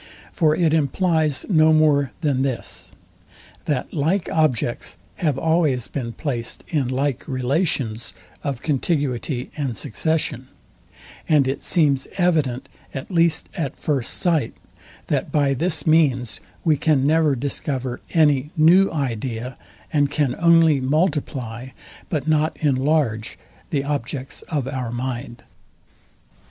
For it implies no more than this, that like objects have always been placed in like relations of contiguity and succession; and it seems evident, at least at first sight, that by this means we can never discover any new idea, and can only multiply, but not enlarge the objects of our mind.